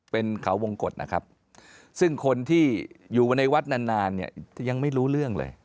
เป็นเขาวงกฎนะครับซึ่งคนที่อยู่ในวัดนานนานเนี่ยยังไม่รู้เรื่องเลย